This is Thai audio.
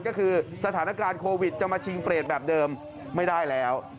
ก็คือสถานการณ์โควิดจะมาชิงเปรตแบบเดิมไม่ได้แล้ว